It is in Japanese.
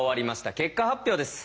結果発表です。